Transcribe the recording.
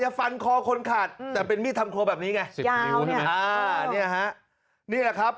จะฟันคอคนขาดแต่เป็นมีดทำครัวแบบนี้ไง๑๐นิ้วนี่นะครับ